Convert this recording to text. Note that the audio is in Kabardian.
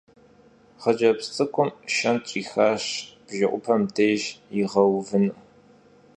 Xhıcebz ts'ık'um şşent ş'ixaş bjje'upem dêjj yiğeuvınu.